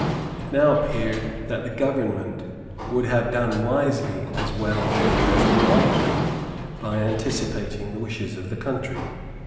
It now appeared that the government would have done wisely as well as rightly by anticipating the wishes of the country.